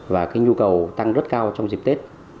và cái nhu cầu tăng rất cao trong dịp tết